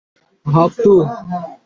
Haque - two?